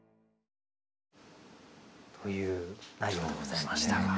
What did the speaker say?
という内容でございましたが。